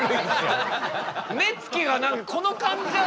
目つきが何かこのかんじゃ。